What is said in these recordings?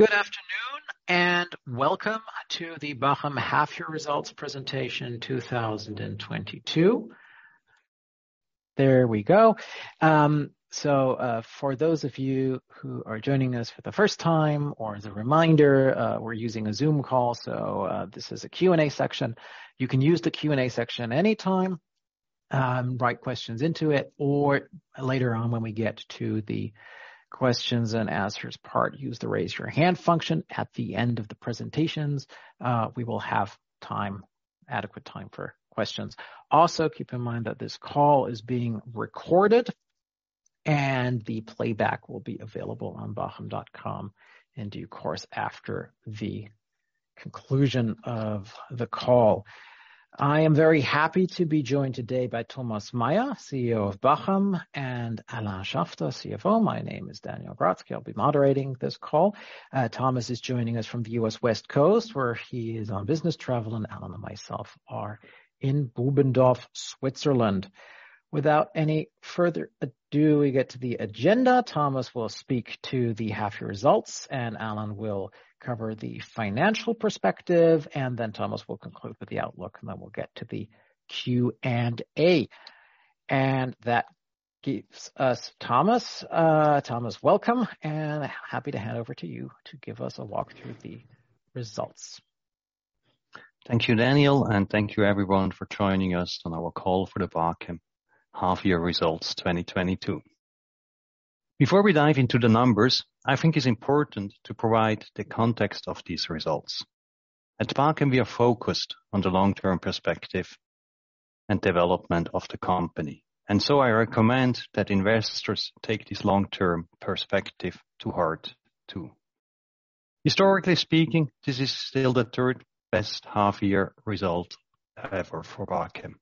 Good afternoon and welcome to the Bachem half year results presentation 2022. There we go. For those of you who are joining us for the first time or as a reminder, we're using a Zoom call, this is a Q&A section. You can use the Q&A section anytime, write questions into it or later on when we get to the questions and answers part, use the raise your hand function. At the end of the presentations, we will have adequate time for questions. Also, keep in mind that this call is being recorded and the playback will be available on bachem.com in due course after the conclusion of the call. I am very happy to be joined today by Thomas Meier, CEO of Bachem, and Alain Schaffter, CFO. My name is Daniel Grotzky. I'll be moderating this call. Thomas is joining us from the U.S. West Coast, where he is on business travel, and Alain and myself are in Bubendorf, Switzerland. Without any further ado, we get to the agenda. Thomas will speak to the half year results, and Alain will cover the financial perspective, and then Thomas will conclude with the outlook, and then we'll get to the Q&A. That gives us Thomas. Thomas, welcome and happy to hand over to you to give us a walk through the results. Thank you, Daniel, and thank you everyone for joining us on our call for the Bachem half year results 2022. Before we dive into the numbers, I think it's important to provide the context of these results. At Bachem we are focused on the long-term perspective and development of the company. I recommend that investors take this long-term perspective to heart too. Historically speaking, this is still the third best half year result ever for Bachem.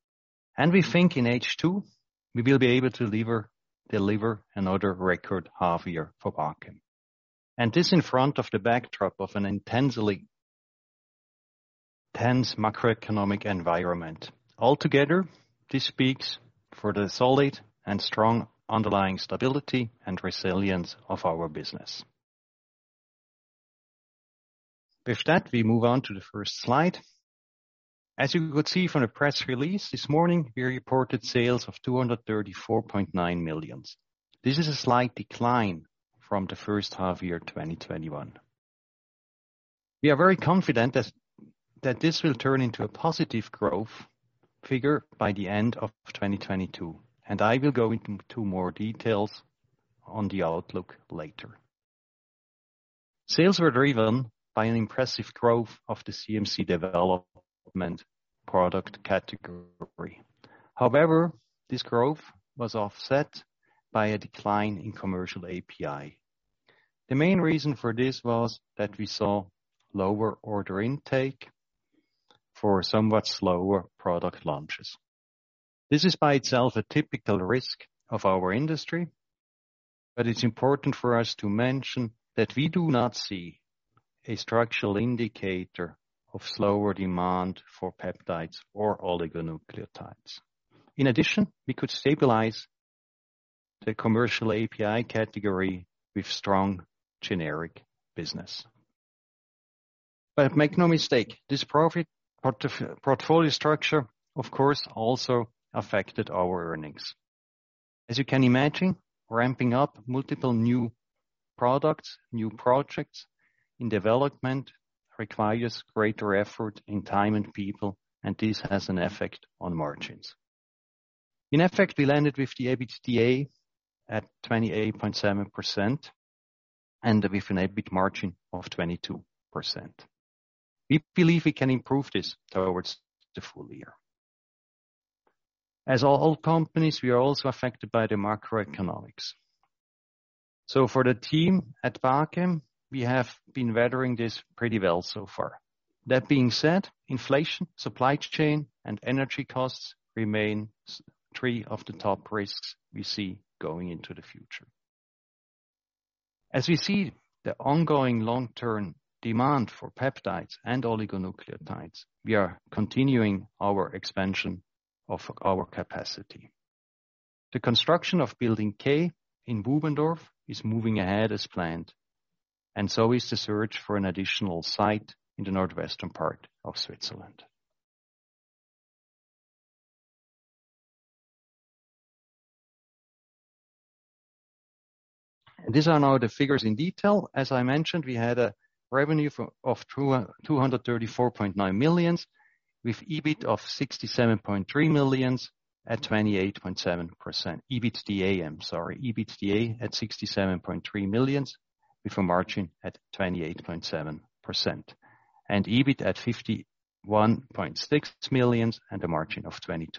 We think in H2, we will be able to deliver another record half year for Bachem. This in front of the backdrop of an intensely tense macroeconomic environment. Altogether, this speaks for the solid and strong underlying stability and resilience of our business. With that, we move on to the first slide. As you could see from the press release this morning, we reported sales of 234.9 million. This is a slight decline from the first half year, 2021. We are very confident that this will turn into a positive growth figure by the end of 2022, and I will go into more details on the outlook later. Sales were driven by an impressive growth of the CMC development product category. However, this growth was offset by a decline in commercial API. The main reason for this was that we saw lower order intake for somewhat slower product launches. This is by itself a typical risk of our industry, but it's important for us to mention that we do not see a structural indicator of slower demand for peptides or oligonucleotides. In addition, we could stabilize the commercial API category with strong generic business. Make no mistake, this profit portfolio structure, of course, also affected our earnings. As you can imagine, ramping up multiple new products, new projects in development requires greater effort in time and people, and this has an effect on margins. In effect, we landed with the EBITDA at 28.7% and with an EBIT margin of 22%. We believe we can improve this towards the full year. As all companies, we are also affected by the macroeconomics. For the team at Bachem, we have been weathering this pretty well so far. That being said, inflation, supply chain, and energy costs remain three of the top risks we see going into the future. As we see the ongoing long-term demand for peptides and oligonucleotides, we are continuing our expansion of our capacity. The construction of building K in Bubendorf is moving ahead as planned, and so is the search for an additional site in the northwestern part of Switzerland. These are now the figures in detail. As I mentioned, we had a revenue of 234.9 million with EBIT of 67.3 million at 28.7%. EBITDA, I'm sorry. EBITDA at 67.3 million with a margin at 28.7%. EBIT at 51.6 million and a margin of 22%.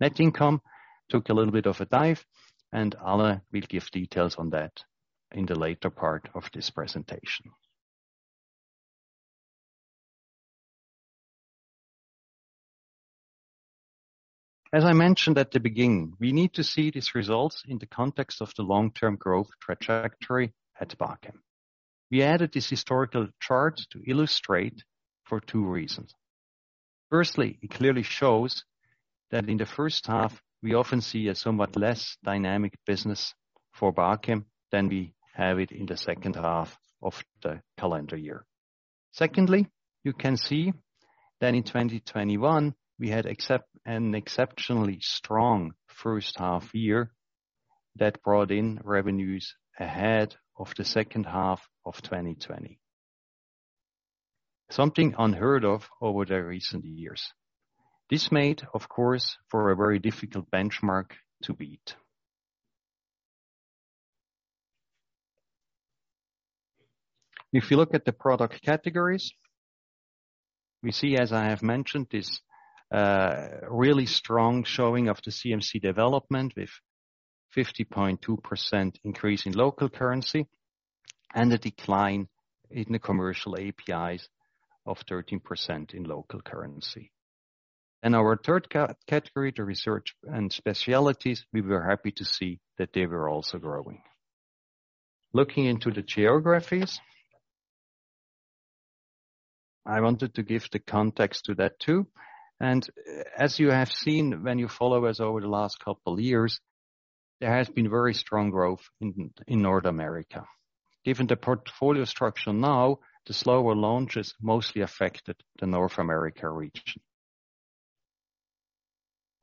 Net income took a little bit of a dive, and Alain will give details on that in the later part of this presentation. As I mentioned at the beginning, we need to see these results in the context of the long-term growth trajectory at Bachem. We added this historical chart to illustrate for two reasons. Firstly, it clearly shows that in the first half, we often see a somewhat less dynamic business for Bachem than we have it in the second half of the calendar year. Secondly, you can see that in 2021, we had an exceptionally strong first half year that brought in revenues ahead of the second half of 2020. Something unheard of over the recent years. This made, of course, for a very difficult benchmark to beat. If you look at the product categories, we see, as I have mentioned, this really strong showing of the CMC development with 50.2% increase in local currency and a decline in the commercial APIs of 13% in local currency. In our third category, the research and specialties, we were happy to see that they were also growing. Looking into the geographies, I wanted to give the context to that too, as you have seen when you follow us over the last couple of years, there has been very strong growth in North America. Given the portfolio structure now, the slower launches mostly affected the North America region.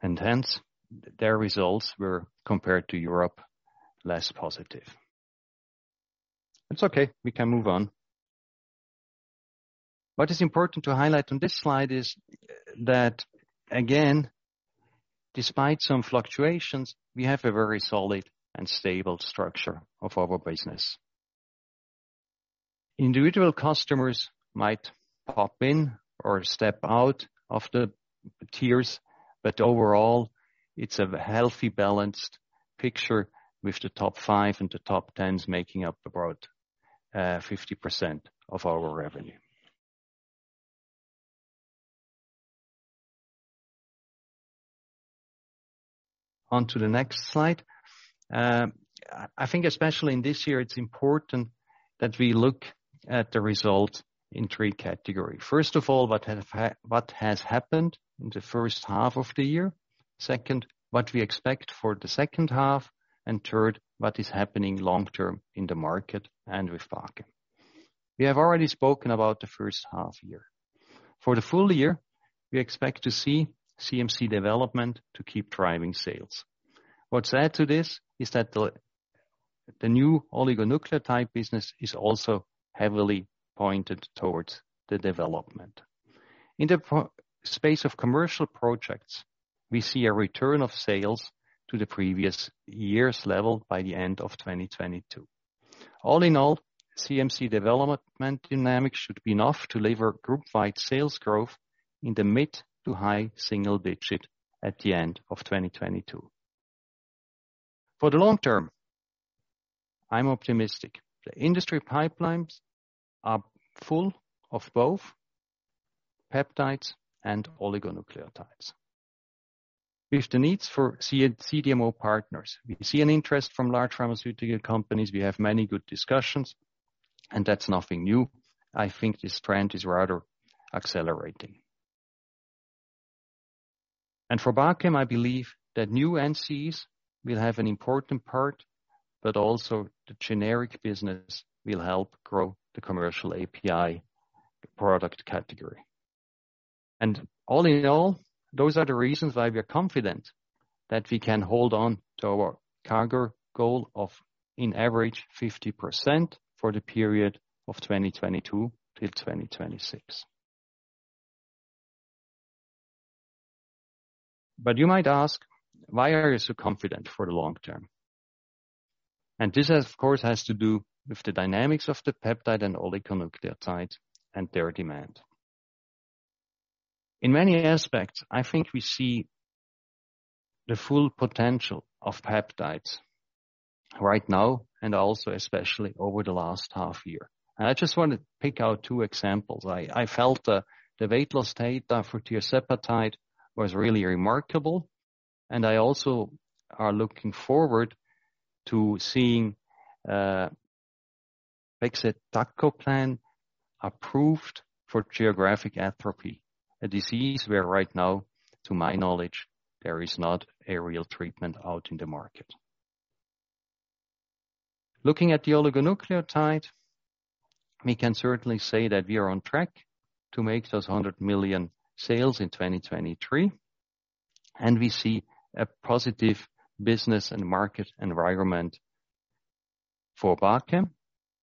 Hence, their results were, compared to Europe, less positive. It's okay. We can move on. What is important to highlight on this slide is that, again, despite some fluctuations, we have a very solid and stable structure of our business. Individual customers might pop in or step out of the tiers, but overall, it's a healthy, balanced picture with the top five and the top ten making up about 50% of our revenue. On to the next slide. I think especially in this year, it's important that we look at the results in three categories. First of all, what has happened in the first half of the year. Second, what we expect for the second half. Third, what is happening long-term in the market and with Bachem. We have already spoken about the first half-year. For the full year, we expect to see CMC development to keep driving sales. What adds to this is that the new oligonucleotide business is also heavily pointed towards the development. In the project space of commercial projects, we see a return of sales to the previous year's level by the end of 2022. All in all, CMC development dynamics should be enough to leverage group-wide sales growth in the mid- to high-single-digit% at the end of 2022. For the long term, I'm optimistic. The industry pipelines are full of both peptides and oligonucleotides. With the needs for CDMO partners, we see an interest from large pharmaceutical companies. We have many good discussions, and that's nothing new. I think this trend is rather accelerating. For Bachem, I believe that new NCEs will have an important part, but also the generic business will help grow the commercial API product category. All in all, those are the reasons why we are confident that we can hold on to our CAGR goal of, on average, 50% for the period of 2022 till 2026. You might ask, why are you so confident for the long term? This, of course, has to do with the dynamics of the peptide and oligonucleotide and their demand. In many aspects, I think we see the full potential of peptides right now, and also especially over the last half year. I just want to pick out two examples. I felt the weight loss data for tirzepatide was really remarkable, and I also are looking forward to seeing pegcetacoplan approved for geographic atrophy, a disease where right now, to my knowledge, there is not a real treatment out in the market. Looking at the oligonucleotide, we can certainly say that we are on track to make those 100 million sales in 2023, and we see a positive business and market environment for Bachem,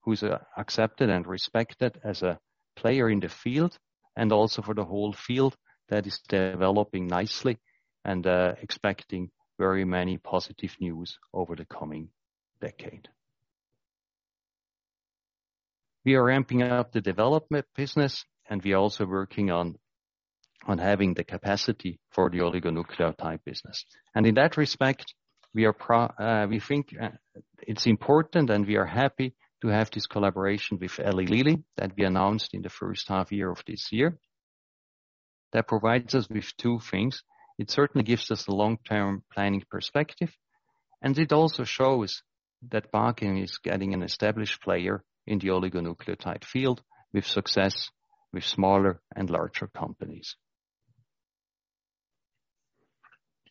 who's accepted and respected as a player in the field, and also for the whole field that is developing nicely and expecting very many positive news over the coming decade. We are ramping up the development business, and we are also working on having the capacity for the oligonucleotide business. In that respect, we think it's important and we are happy to have this collaboration with Eli Lilly that we announced in the first half year of this year. That provides us with two things. It certainly gives us a long-term planning perspective. It also shows that Bachem is getting an established player in the oligonucleotide field with success with smaller and larger companies.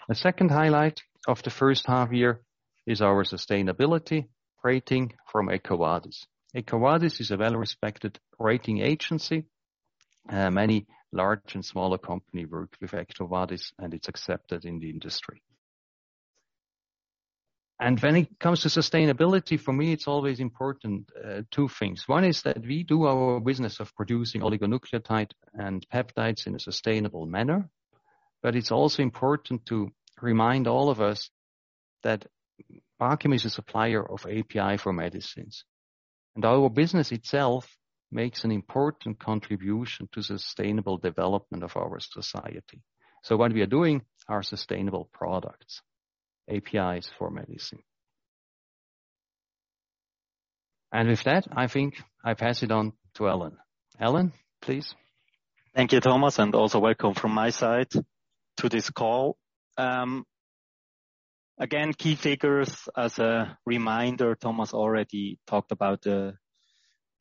The second highlight of the first half year is our sustainability rating from EcoVadis. EcoVadis is a well-respected rating agency. Many large and smaller company work with EcoVadis, and it's accepted in the industry. When it comes to sustainability, for me, it's always important, two things. One is that we do our business of producing oligonucleotide and peptides in a sustainable manner. It's also important to remind all of us that Bachem is a supplier of API for medicines. Our business itself makes an important contribution to sustainable development of our society. What we are doing are sustainable products, APIs for medicine. With that, I think I pass it on to Alain. Alain, please. Thank you, Thomas, and also welcome from my side to this call. Again, key figures as a reminder, Thomas already talked about the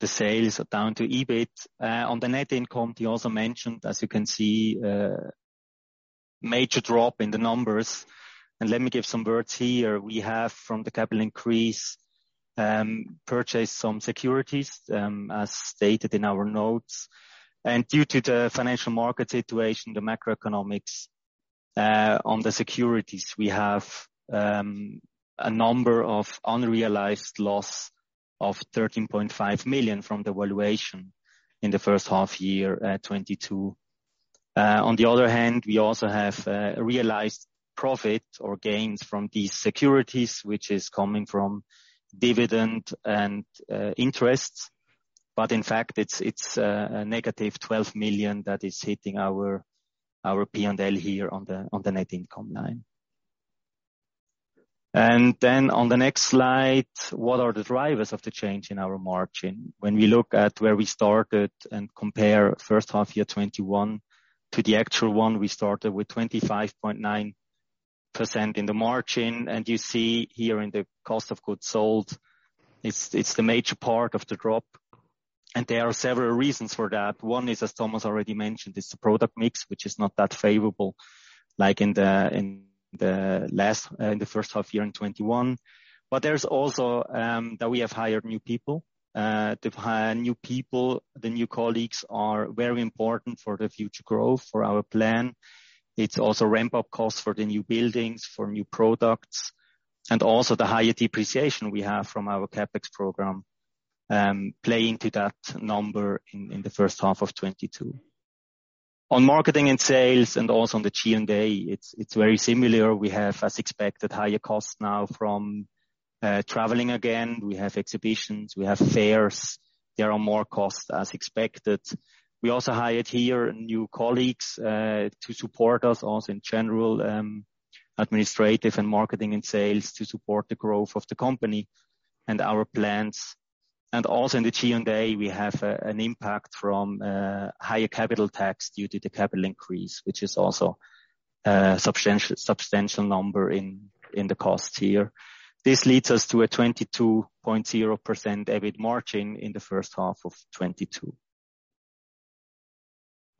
sales down to EBIT. On the net income, he also mentioned, as you can see, major drop in the numbers. Let me give some words here. We have, from the capital increase, purchased some securities, as stated in our notes. Due to the financial market situation, the macroeconomics, on the securities, we have, a number of unrealized loss of 13.5 million from the valuation in the first half year, 2022. On the other hand, we also have, realized profit or gains from these securities, which is coming from dividend and, interests. In fact, it's a -12 million that is hitting our P&L here on the net income line. Then on the next slide, what are the drivers of the change in our margin? When we look at where we started and compare first half year 2021 to the actual one, we started with 25.9% in the margin. You see here in the cost of goods sold, it's the major part of the drop. There are several reasons for that. One is, as Thomas already mentioned, the product mix, which is not that favorable like in the first half year in 2021. There's also that we have hired new people. To hire new people, the new colleagues are very important for the future growth for our plan. It's also ramp-up costs for the new buildings, for new products, and also the higher depreciation we have from our CapEx program play into that number in the first half of 2022. On marketing and sales and also on the G&A, it's very similar. We have, as expected, higher costs now from traveling again. We have exhibitions, we have fairs. There are more costs as expected. We also hired here new colleagues to support us also in general administrative and marketing and sales to support the growth of the company and our plans. Also in the G&A, we have an impact from higher capital tax due to the capital increase, which is also substantial number in the cost here. This leads us to a 22.0% EBIT margin in the first half of 2022.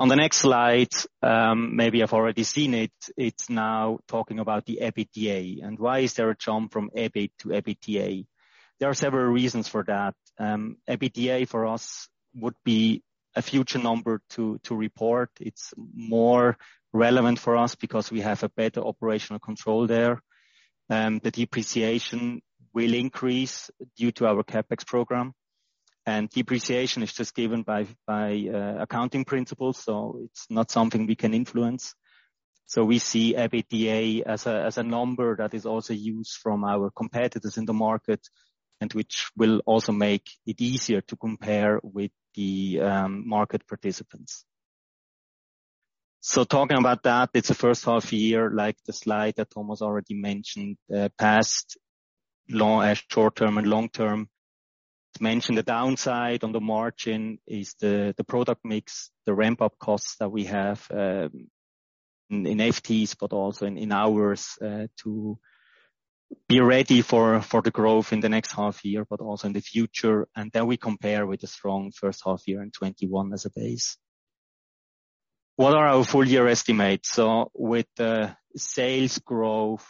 On the next slide, maybe you've already seen it. It's now talking about the EBITDA. Why is there a jump from EBIT to EBITDA? There are several reasons for that. EBITDA for us would be a future number to report. It's more relevant for us because we have a better operational control there. The depreciation will increase due to our CapEx program, and depreciation is just given by accounting principles, so it's not something we can influence. We see EBITDA as a number that is also used by our competitors in the market and which will also make it easier to compare with the market participants. Talking about that, it's the first half year, like the slide that Thomas already mentioned, past, short-term and long-term. To mention the downside on the margin is the product mix, the ramp-up costs that we have in FTEs but also in hours to be ready for the growth in the next half year, but also in the future. Then we compare with the strong first half year in 2021 as a base. What are our full year estimates? With the sales growth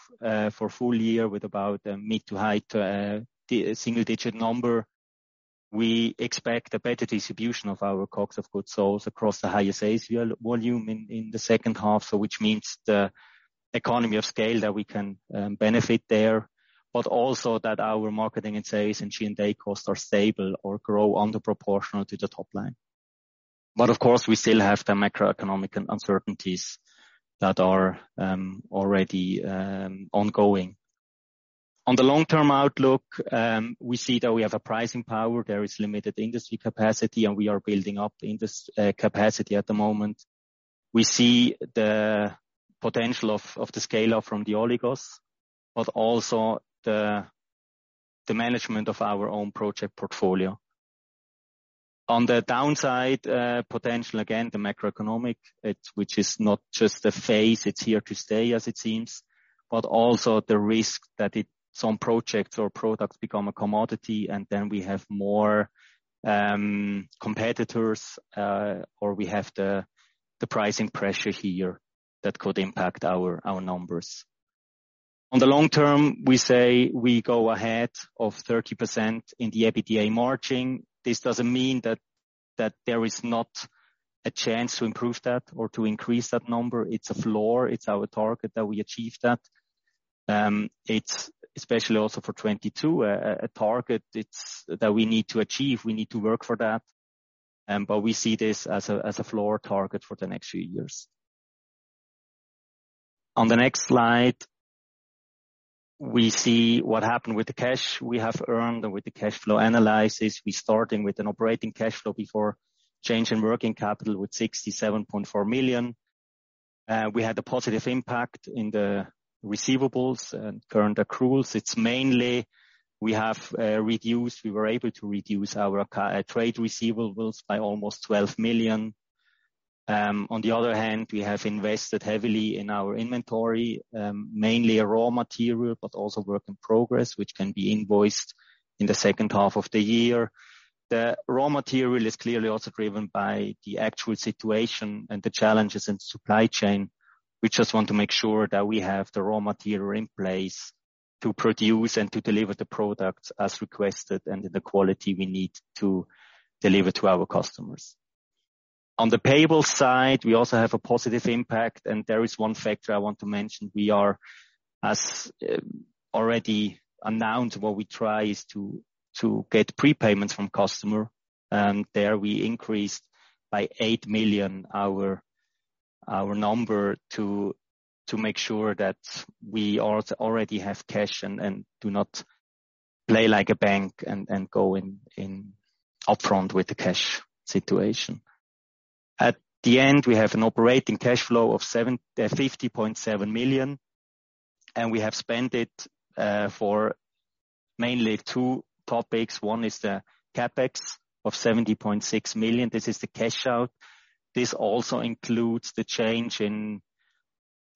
for full year with about a mid- to high-single-digit number, we expect a better distribution of our COGS, cost of goods sold, across the higher sales volume in the second half. Which means the economies of scale that we can benefit there, but also that our marketing and sales and G&A costs are stable or grow less than proportional to the top line. Of course, we still have the macroeconomic uncertainties that are already ongoing. On the long-term outlook, we see that we have a pricing power. There is limited industry capacity, and we are building up capacity at the moment. We see the potential of the scale-up from the oligos, but also the management of our own project portfolio. On the downside, potential, again, the macroeconomic, which is not just a phase, it's here to stay as it seems, but also the risk that some projects or products become a commodity and then we have more competitors, or we have the pricing pressure here that could impact our numbers. On the long term, we say we go ahead of 30% in the EBITDA margin. This doesn't mean that there is not a chance to improve that or to increase that number. It's a floor. It's our target that we achieve that. It's especially also for 2022 a target that we need to achieve. We need to work for that. We see this as a floor target for the next few years. On the next slide, we see what happened with the cash we have earned. With the cash flow analysis, starting with an operating cash flow before change in working capital with 67.4 million. We had a positive impact in the receivables and current accruals. It's mainly we were able to reduce our trade receivables by almost 12 million. On the other hand, we have invested heavily in our inventory, mainly raw material, but also work in progress, which can be invoiced in the second half of the year. The raw material is clearly also driven by the actual situation and the challenges in supply chain. We just want to make sure that we have the raw material in place to produce and to deliver the products as requested and in the quality we need to deliver to our customers. On the payable side, we also have a positive impact, and there is one factor I want to mention. We are, as already announced, what we try is to get prepayments from customer. There we increased by 8 million our number to make sure that we already have cash and do not play like a bank and go in upfront with the cash situation. At the end, we have an operating cash flow of 50.7 million, and we have spent it for mainly two topics. One is the CapEx of 70.6 million. This is the cash out. This also includes the change in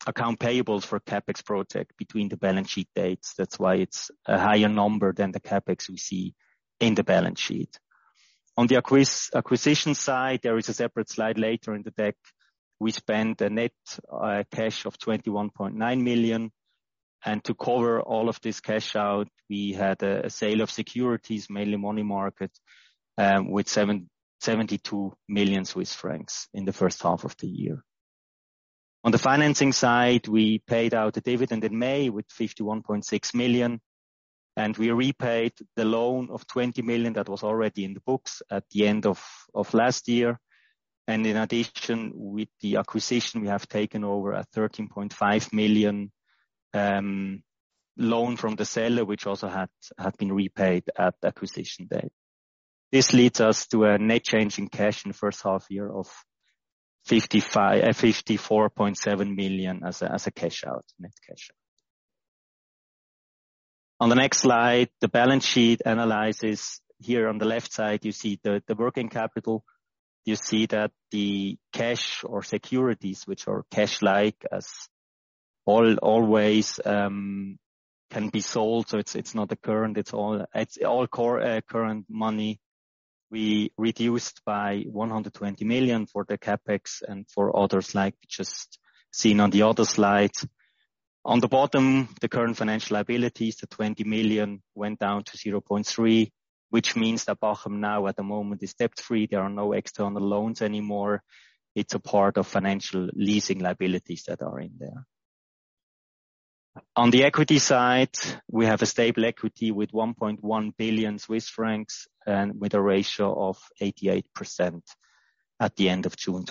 accounts payable for CapEx project between the balance sheet dates. That's why it's a higher number than the CapEx we see in the balance sheet. On the acquisition side, there is a separate slide later in the deck. We spent a net cash of 21.9 million. To cover all of this cash out, we had a sale of securities, mainly money market with 772 million Swiss francs in the first half of the year. On the financing side, we paid out a dividend in May with 51.6 million, and we repaid the loan of 20 million that was already in the books at the end of last year. In addition, with the acquisition, we have taken over a 13.5 million loan from the seller, which also had been repaid at acquisition date. This leads us to a net change in cash in the first half year of 54.7 million as a cash out, net cash out. On the next slide, the balance sheet analysis. Here on the left side, you see the working capital. You see that the cash or securities which are cash-like as always can be sold, so it's not a current, it's all current money. We reduced by 120 million for the CapEx and for others like just seen on the other slides. On the bottom, the current financial liabilities to 20 million went down to 0.3, which means that Bachem now at the moment is debt-free. There are no external loans anymore. It's a part of financial leasing liabilities that are in there. On the equity side, we have a stable equity with 1.1 billion Swiss francs and with a ratio of 88% at the end of June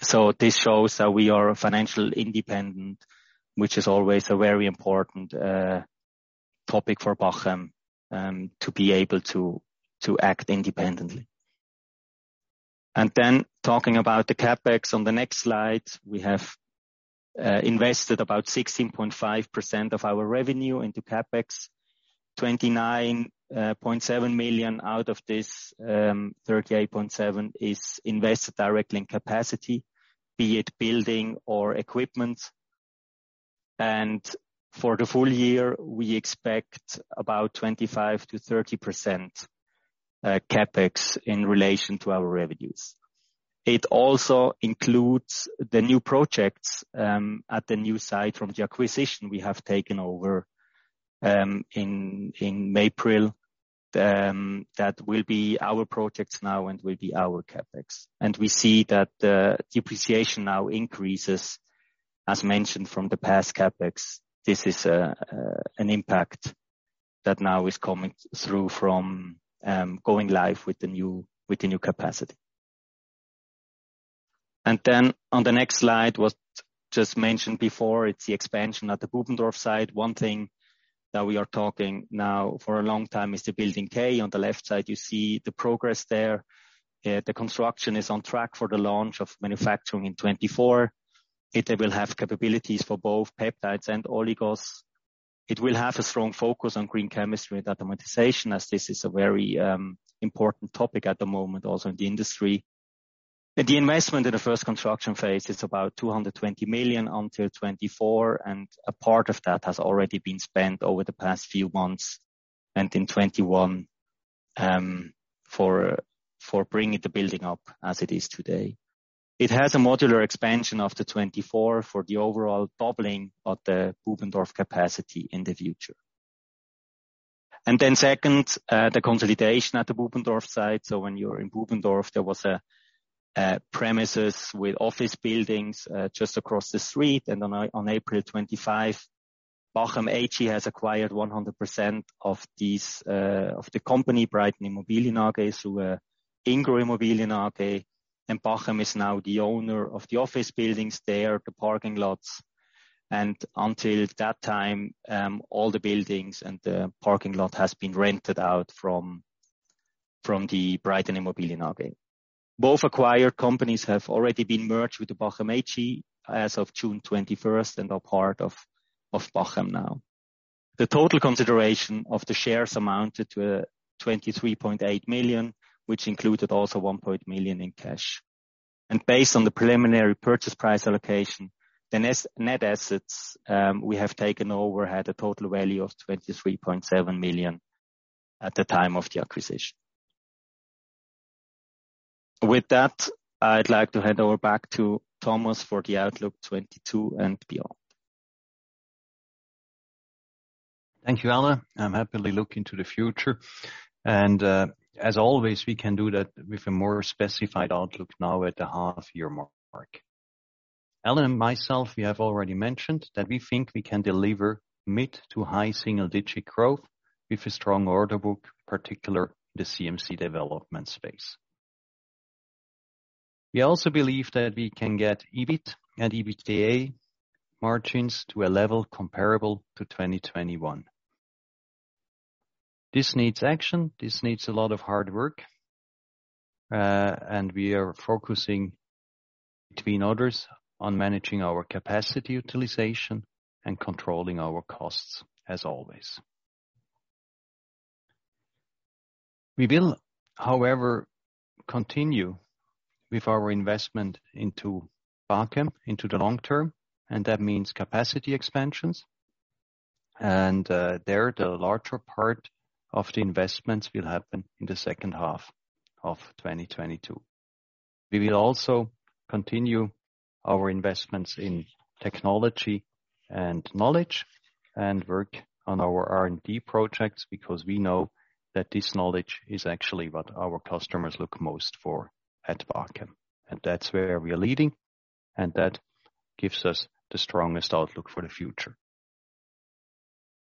2022. This shows that we are financially independent, which is always a very important topic for Bachem to be able to act independently. Talking about the CapEx on the next slide, we have invested about 16.5% of our revenue into CapEx. 29.7 million out of this 38.7 million is invested directly in capacity, be it building or equipment. For the full year, we expect about 25%-30% CapEx in relation to our revenues. It also includes the new projects at the new site from the acquisition we have taken over in April. That will be our projects now and will be our CapEx. We see that the depreciation now increases, as mentioned from the past CapEx. This is an impact that now is coming through from going live with the new capacity. On the next slide, what's just mentioned before, it's the expansion at the Bubendorf site. One thing that we are talking now for a long time is the building K. On the left side, you see the progress there. The construction is on track for the launch of manufacturing in 2024. It will have capabilities for both peptides and oligos. It will have a strong focus on green chemistry and automation, as this is a very important topic at the moment also in the industry. The investment in the first construction phase is about 220 million until 2024, and a part of that has already been spent over the past few months and in 2021 for bringing the building up as it is today. It has a modular expansion after 2024 for the overall doubling of the Bubendorf capacity in the future. Second, the consolidation at the Bubendorf site. So when you're in Bubendorf, there was a premises with office buildings just across the street. On April 25, Bachem AG has acquired 100% of the company, Breiten Immobilien AG, through Ingro Immobilien AG. Bachem is now the owner of the office buildings there, the parking lots. Until that time, all the buildings and the parking lot has been rented out from the Breiten Immobilien AG. Both acquired companies have already been merged with the Bachem AG as of June 21, and are part of Bachem now. The total consideration of the shares amounted to 23.8 million, which included also 1 million in cash. Based on the preliminary purchase price allocation, the net assets we have taken over had a total value of 23.7 million at the time of the acquisition. With that, I'd like to hand over back to Thomas for the outlook 2022 and beyond. Thank you, Alain. I'm happily looking to the future. As always, we can do that with a more specified outlook now at the half year mark. Alain and myself, we have already mentioned that we think we can deliver mid- to high-single-digit growth with a strong order book, particularly the CMC development space. We also believe that we can get EBIT and EBITDA margins to a level comparable to 2021. This needs action, this needs a lot of hard work, and we are focusing among others on managing our capacity utilization and controlling our costs, as always. We will, however, continue with our investment into Bachem into the long term, and that means capacity expansions. There, the larger part of the investments will happen in the second half of 2022. We will also continue our investments in technology and knowledge and work on our R&D projects, because we know that this knowledge is actually what our customers look most for at Bachem, and that's where we are leading, and that gives us the strongest outlook for the future.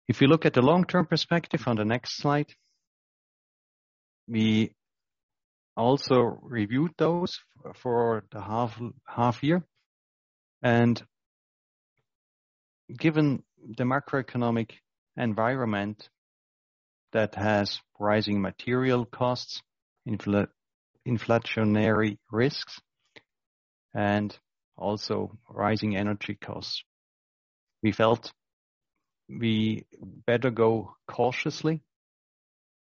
If you look at the long-term perspective on the next slide, we also reviewed those for the half year. Given the macroeconomic environment that has rising material costs, inflationary risks, and also rising energy costs, we felt we better go cautiously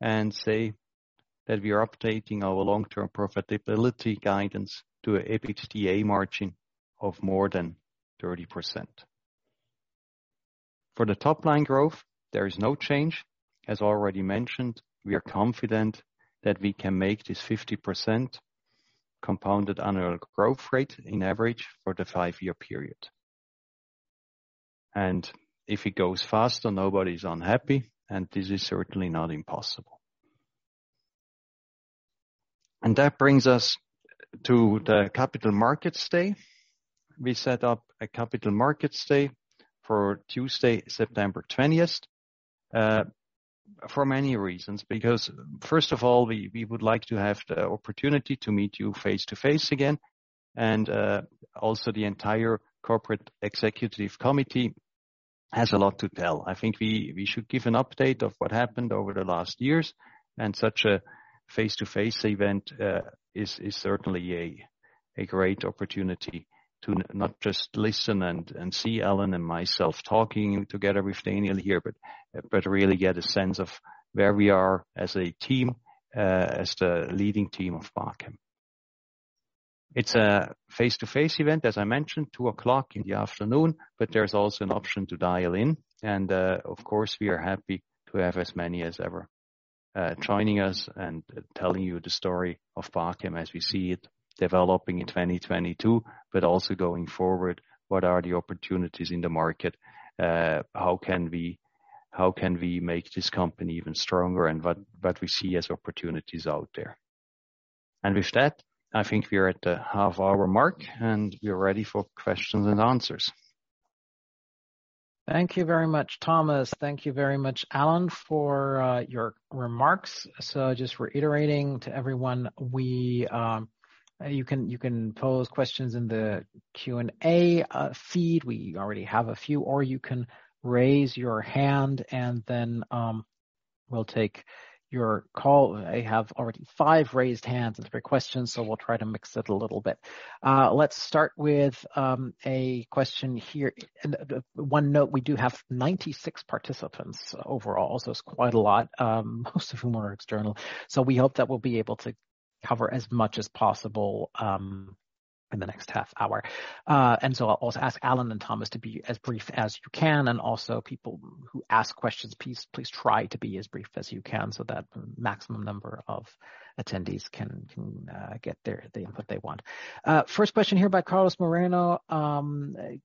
and say that we are updating our long-term profitability guidance to an EBITDA margin of more than 30%. For the top line growth, there is no change. As already mentioned, we are confident that we can make this 50% compounded annual growth rate in average for the five-year period. If it goes faster, nobody's unhappy, and this is certainly not impossible. That brings us to the Capital Markets Day. We set up a Capital Markets Day for Tuesday, September twentieth, for many reasons. Because first of all, we would like to have the opportunity to meet you face-to-face again. Also the entire corporate executive committee has a lot to tell. I think we should give an update of what happened over the last years, and such a face-to-face event is certainly a great opportunity to not just listen and see Alain and myself talking together with Daniel here, but really get a sense of where we are as a team, as the leading team of Bachem. It's a face-to-face event, as I mentioned, 2:00 P.M., but there's also an option to dial in. Of course, we are happy to have as many as ever joining us and telling you the story of Bachem as we see it developing in 2022, but also going forward, what are the opportunities in the market? How can we make this company even stronger and what we see as opportunities out there. With that, I think we're at the half-hour mark and we're ready for questions and answers. Thank you very much, Thomas. Thank you very much, Alain, for your remarks. Just reiterating to everyone, you can pose questions in the Q&A feed. We already have a few. Or you can raise your hand and then we'll take your call. I have already five raised hands for questions, so we'll try to mix it a little bit. Let's start with a question here. One note, we do have 96 participants overall, so it's quite a lot, most of whom are external. We hope that we'll be able to cover as much as possible in the next half hour. I'll also ask Alain and Thomas to be as brief as you can, and people who ask questions, please try to be as brief as you can so that maximum number of attendees can get the input they want. First question here by Carlos Moreno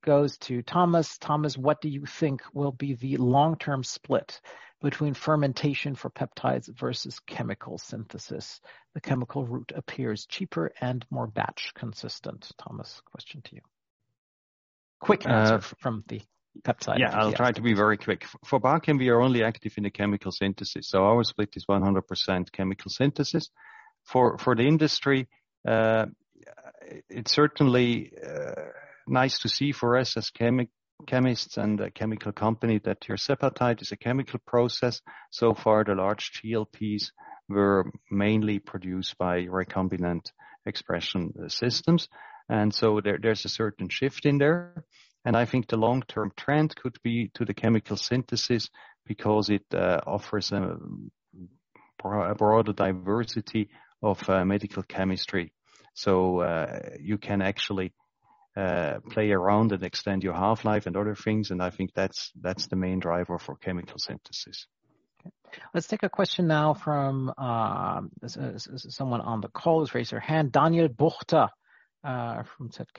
goes to Thomas. Thomas, what do you think will be the long-term split between fermentation for peptides versus chemical synthesis? The chemical route appears cheaper and more batch consistent. Thomas, question to you. Quick answer from the peptide- Yeah, I'll try to be very quick. For Bachem, we are only active in the chemical synthesis, so our split is 100% chemical synthesis. For the industry, it's certainly nice to see for us as chemists and a chemical company that tirzepatide is a chemical process. So far, the large GLP-1s were mainly produced by recombinant expression systems. There's a certain shift in there. I think the long-term trend could be to the chemical synthesis because it offers a broader diversity of medical chemistry. You can actually play around and extend your half-life and other things, and I think that's the main driver for chemical synthesis. Okay. Let's take a question now from someone on the call who's raised their hand. Daniel Buchta from Zürcher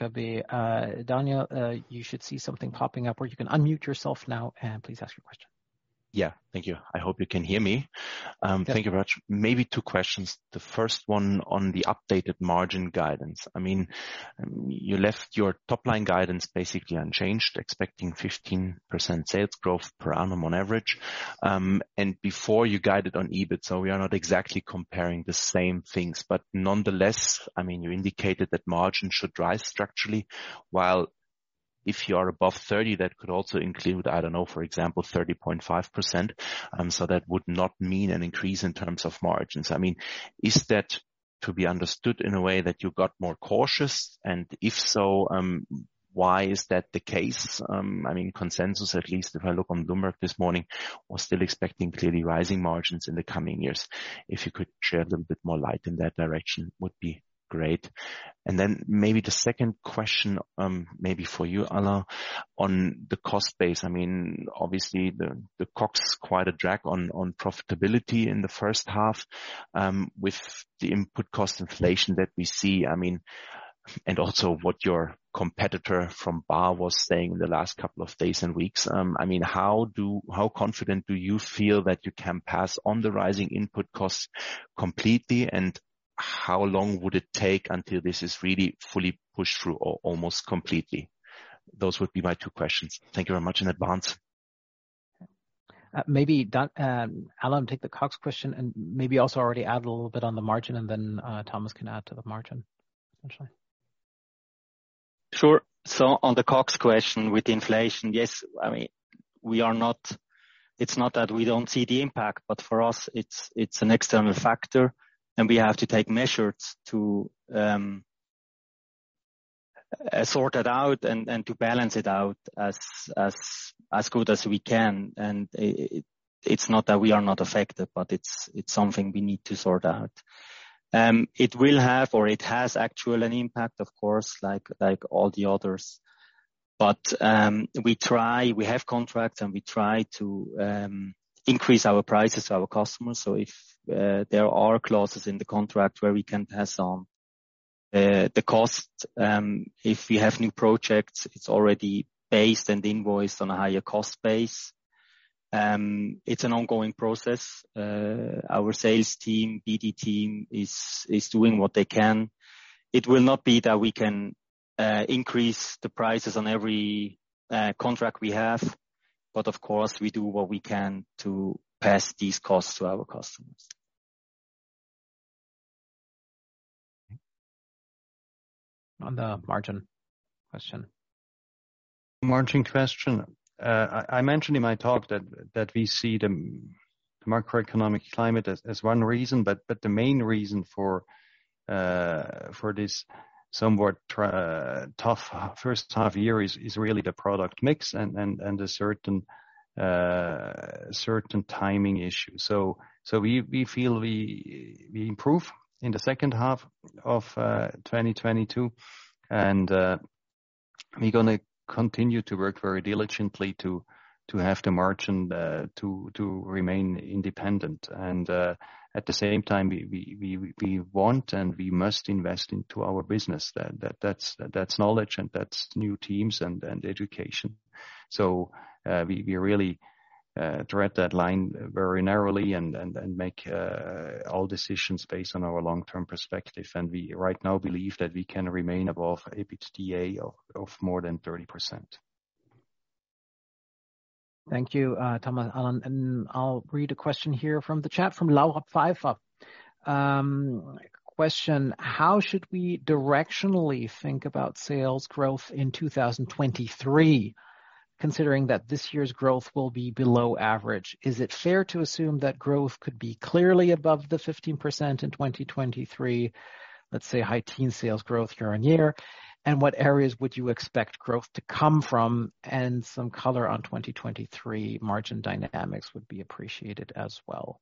Kantonalbank. Daniel, you should see something popping up where you can unmute yourself now, and please ask your question. Yeah. Thank you. I hope you can hear me. Yeah. Thank you very much. Maybe two questions. The first one on the updated margin guidance. I mean, you left your top-line guidance basically unchanged, expecting 15% sales growth per annum on average. Before you guided on EBIT, we are not exactly comparing the same things. Nonetheless, I mean, you indicated that margin should rise structurally, while if you are above 30%, that could also include, I don't know, for example, 30.5%. That would not mean an increase in terms of margins. I mean, is that to be understood in a way that you got more cautious? If so, why is that the case? I mean, consensus, at least if I look on Bloomberg this morning, was still expecting clearly rising margins in the coming years. If you could shed a little bit more light in that direction, would be great. Maybe the second question, maybe for you, Alain, on the cost base. I mean, obviously the COGS is quite a drag on profitability in the first half, with the input cost inflation that we see. I mean, and also what your competitor from Baar was saying in the last couple of days and weeks. I mean, how confident do you feel that you can pass on the rising input costs completely? And how long would it take until this is really fully pushed through or almost completely? Those would be my two questions. Thank you very much in advance. Maybe Alain, take the COGS question and maybe also already add a little bit on the margin, and then Thomas can add to the margin, essentially. Sure. On the COGS question with inflation, yes, I mean, It's not that we don't see the impact, but for us it's an external factor and we have to take measures to sort it out and to balance it out as good as we can. It's not that we are not affected, but it's something we need to sort out. It will have, or it has actually an impact, of course, like all the others. We try, we have contracts and we try to increase our prices to our customers. If there are clauses in the contract where we can pass on the cost, if we have new projects, it's already based and invoiced on a higher cost base. It's an ongoing process. Our sales team, BD team is doing what they can. It will not be that we can increase the prices on every contract we have, but of course, we do what we can to pass these costs to our customers. On the margin question. Margin question. I mentioned in my talk that we see the macroeconomic climate as one reason, but the main reason for this somewhat tough first half year is really the product mix and the certain timing issue. We feel we improve in the second half of 2022. We're gonna continue to work very diligently to have the margin to remain independent. At the same time, we want and we must invest into our business. That's knowledge and that's new teams and education. We really tread that line very narrowly and make all decisions based on our long-term perspective. We right now believe that we can remain above EBITDA of more than 30%. Thank you, Thomas, Alain. I'll read a question here from the chat from Laura Pfeifer-Rossi. Question, how should we directionally think about sales growth in 2023, considering that this year's growth will be below average? Is it fair to assume that growth could be clearly above the 15% in 2023, let's say high teen sales growth during year? And what areas would you expect growth to come from? And some color on 2023 margin dynamics would be appreciated as well.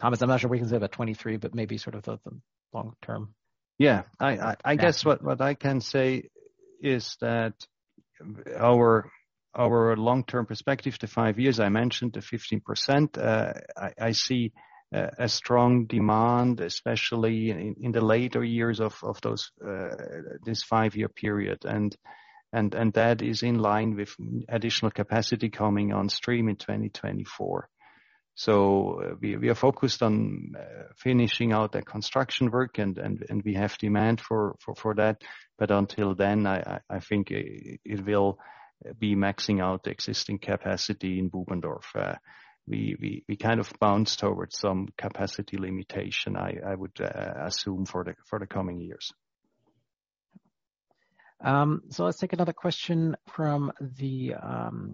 Thomas, I'm not sure we can say about 2023, but maybe sort of the long term. Yeah. I guess what I can say is that our long-term perspective to five years, I mentioned the 15%. I see a strong demand, especially in the later years of this five-year period. That is in line with additional capacity coming on stream in 2024. We are focused on finishing out the construction work, and we have demand for that. Until then, I think it will be maxing out the existing capacity in Bubendorf. We kind of bounce towards some capacity limitation, I would assume for the coming years. Let's take another question from the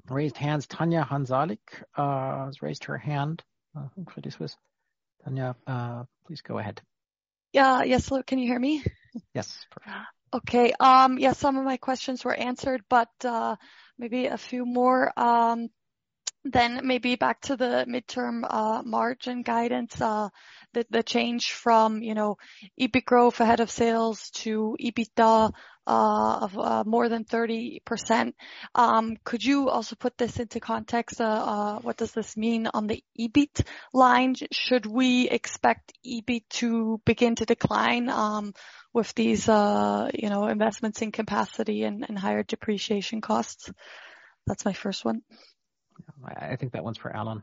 raised hands. Tanya Hansalik has raised her hand. Who produced this? Tanya, please go ahead. Yeah. Yes. Hello, can you hear me? Yes, perfect. Okay. Yes, some of my questions were answered, but maybe a few more. Then maybe back to the midterm margin guidance, the change from, you know, EBIT growth ahead of sales to EBITDA of more than 30%. Could you also put this into context? What does this mean on the EBIT line? Should we expect EBIT to begin to decline with these, you know, investments in capacity and higher depreciation costs? That's my first one. I think that one's for Alain.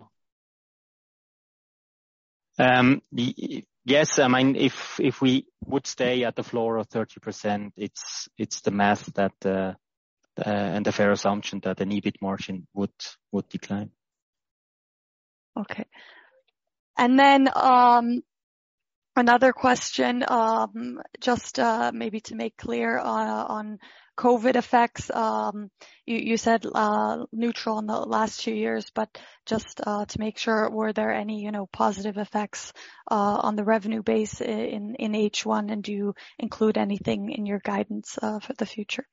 Yes. I mean, if we would stay at the floor of 30%, it's the math that and the fair assumption that an EBIT margin would decline. Okay. Then, another question, just maybe to make clear on COVID effects. You said neutral in the last two years, but just to make sure, were there any, you know, positive effects on the revenue base in H1? Do you include anything in your guidance for the future?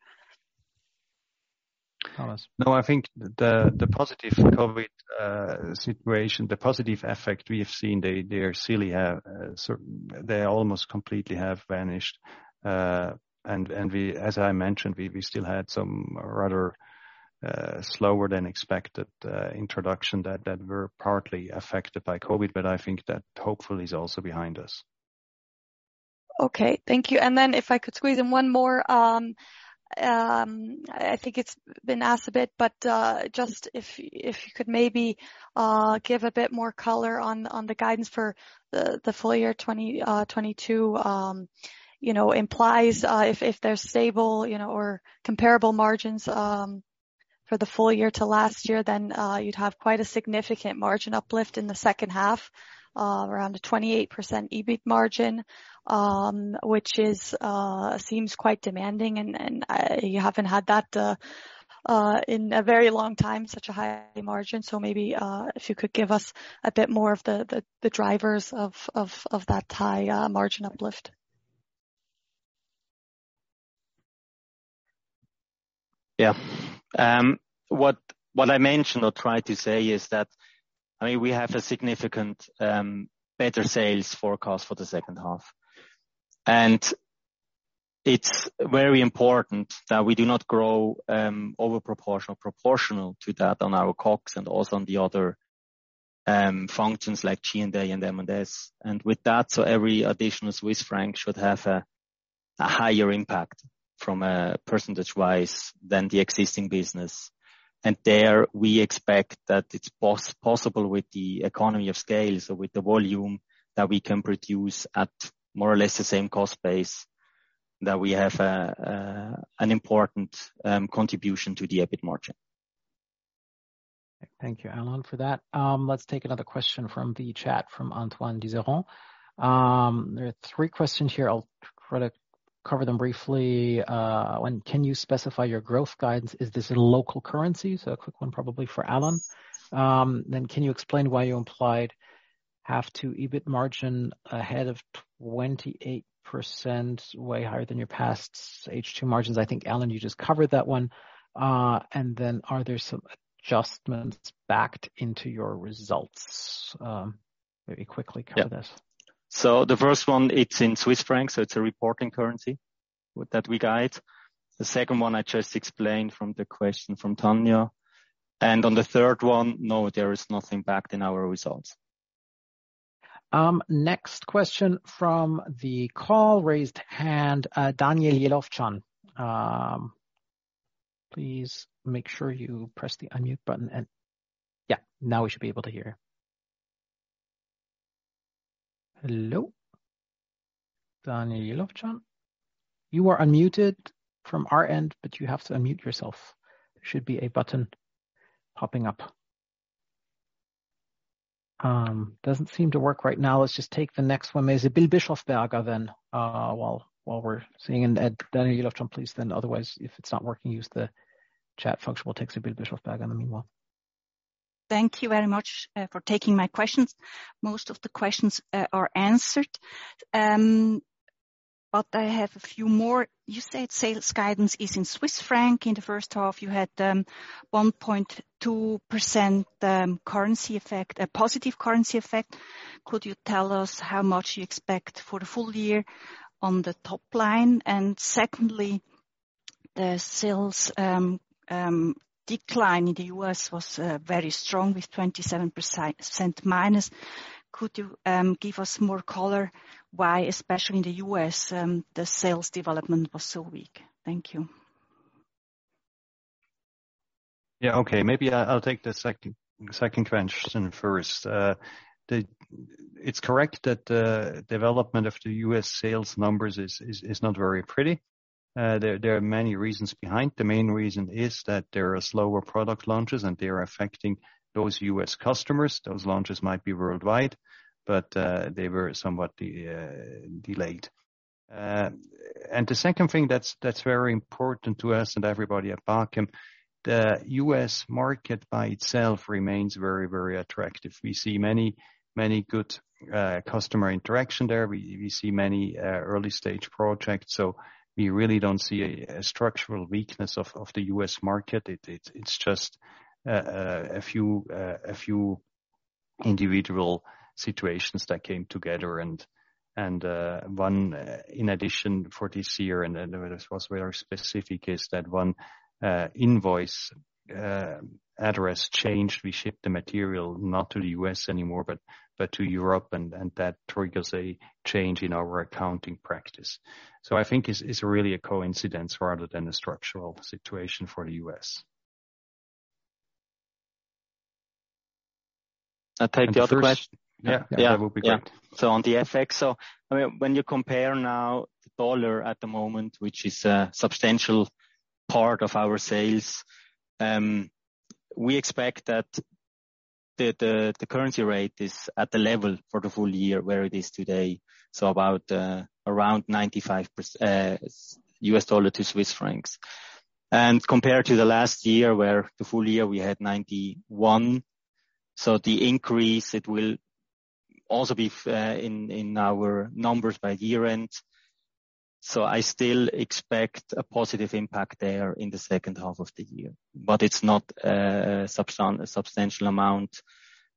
Thomas? No, I think the positive COVID situation, the positive effect we have seen, they are already, so they almost completely have vanished. We, as I mentioned, still had some rather slower than expected introductions that were partly affected by COVID, but I think that hopefully is also behind us. If I could squeeze in one more, I think it's been asked a bit, but just if you could maybe give a bit more color on the guidance for the full year 2022, you know, implies if there's stable, you know, or comparable margins for the full year to last year, then you'd have quite a significant margin uplift in the second half, around a 28% EBIT margin, which seems quite demanding and you haven't had that in a very long time, such a high margin. Maybe if you could give us a bit more of the drivers of that high margin uplift. Yeah. What I mentioned or tried to say is that, I mean, we have a significant better sales forecast for the second half. It's very important that we do not grow overproportionally to that on our COGS and also on the other functions like G&A and M&S. With that, every additional Swiss franc should have a higher impact percentage-wise than the existing business. There, we expect that it's possible with the economies of scale, so with the volume that we can produce at more or less the same cost base, that we have an important contribution to the EBIT margin. Thank you, Alain, for that. Let's take another question from the chat from Antoine [Diserens]. There are three questions here. I'll try to cover them briefly. One, can you specify your growth guidance? Is this in local currency? So a quick one probably for Alain. Then can you explain why you implied path to EBIT margin ahead of 28%, way higher than your past H2 margins? I think, Alain, you just covered that one. And then are there some adjustments backed into your results? Maybe quickly cover this. Yeah. The first one, it's in Swiss francs, so it's a reporting currency with that we guide. The second one I just explained from the question from Tanya. On the third one, no, there is nothing baked in our results. Next question from the call raised hand, Daniel Jelovcan. Please make sure you press the unmute button. Yeah, now we should be able to hear. Hello? Daniel Jelovcan, you are unmuted from our end, but you have to unmute yourself. There should be a button popping up. Doesn't seem to work right now. Let's just take the next one. There's a Sibylle Bischofberger then, while we're seeing Daniel Jelovcan, please then. Otherwise, if it's not working, use the chat function. We'll take Sibylle Bischofberger in the meanwhile. Thank you very much for taking my questions. Most of the questions are answered. I have a few more. You said sales guidance is in Swiss franc. In the first half, you had 1.2% currency effect, a positive currency effect. Could you tell us how much you expect for the full year on the top line? Secondly, the sales decline in the U.S. was very strong with -27%. Could you give us more color why, especially in the U.S., the sales development was so weak? Thank you. Yeah, okay. Maybe I'll take the second question first. It's correct that the development of the U.S. sales numbers is not very pretty. There are many reasons behind. The main reason is that there are slower product launches, and they are affecting those U.S. customers. Those launches might be worldwide, but they were somewhat delayed. The second thing that's very important to us and everybody at Bachem, the U.S. market by itself remains very attractive. We see many good customer interaction there. We see many early-stage projects, so we really don't see a structural weakness of the U.S. market. It's just a few individual situations that came together and one in addition for this year, and this was very specific, is that one invoice address changed. We shipped the material not to the U.S. anymore, but to Europe, and that triggers a change in our accounting practice. I think it's really a coincidence rather than a structural situation for the U.S. I'll take the other question. Yeah. That would be great. On the FX. I mean, when you compare now the dollar at the moment, which is a substantial part of our sales, we expect that the currency rate is at the level for the full year where it is today, so about around 95, U.S dollar to Swiss francs. Compared to the last year, where the full year we had 91, so the increase, it will also be in our numbers by year-end. I still expect a positive impact there in the second half of the year, but it's not a substantial amount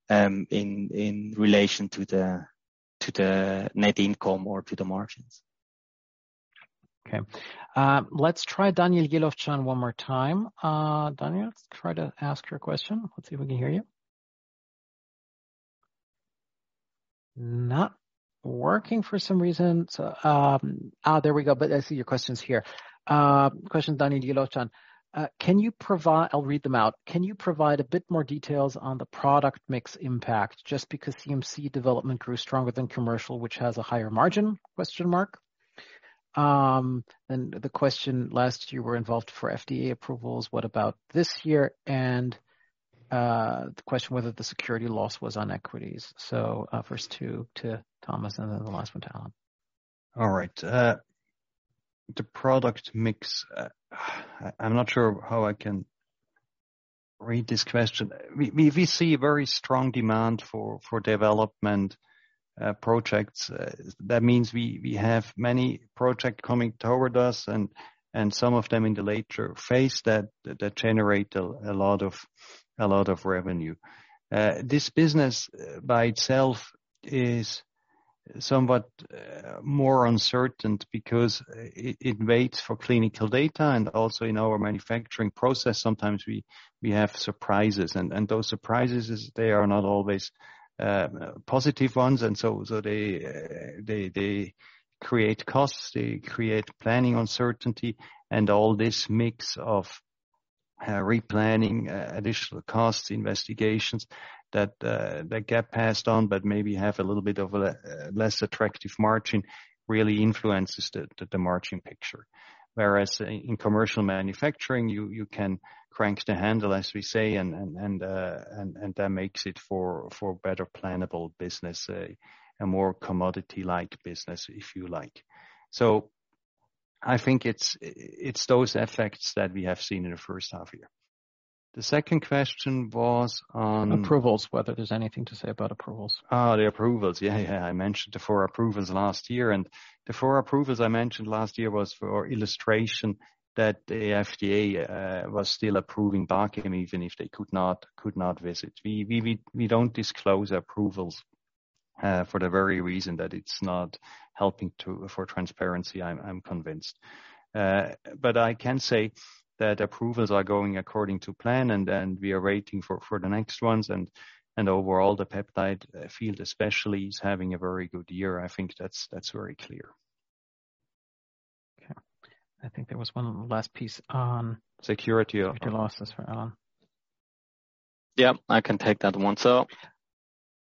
in relation to the net income or to the margins. Okay. Let's try Daniel Jelovcan one more time. Daniel, try to ask your question. Let's see if we can hear you. Not working for some reason. There we go, but I see your questions here. Question, Daniel Jelovcan. I'll read them out. Can you provide a bit more details on the product mix impact just because CMC Development grew stronger than commercial, which has a higher margin? Question mark. Then the question, last year were involved for FDA approvals, what about this year? And the question whether the security loss was on equities. First two to Thomas Meier and then the last one to Alain Schaffter. All right. The product mix, I'm not sure how I can read this question. We see very strong demand for development projects. That means we have many projects coming toward us and some of them in the later phase that generate a lot of revenue. This business by itself is somewhat more uncertain because it waits for clinical data and also in our manufacturing process, sometimes we have surprises. Those surprises are they are not always positive ones, and so they create costs, they create planning uncertainty. All this mix of replanning, additional costs, investigations that get passed on but maybe have a little bit of a less attractive margin really influences the margin picture. Whereas in commercial manufacturing, you can crank the handle, as we say, and that makes it for better plannable business, a more commodity-like business, if you like. I think it's those effects that we have seen in the first half year. The second question was on- Approvals, whether there's anything to say about approvals? The approvals. I mentioned the four approvals last year, and the four approvals I mentioned last year was for illustration that the FDA was still approving Bachem, even if they could not visit. We don't disclose approvals for the very reason that it's not helping to. For transparency, I'm convinced. I can say that approvals are going according to plan and we are waiting for the next ones and overall the peptide field especially is having a very good year. I think that's very clear. I think there was one last piece on- Security ...losses for Alain. Yeah, I can take that one.